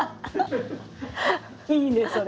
いいねそれ。